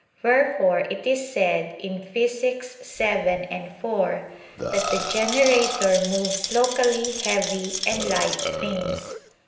Wherefore it is said in Phys. vii, 4, that the generator moves locally heavy and light things.